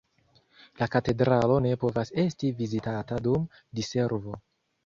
La katedralo ne povas esti vizitata dum diservo.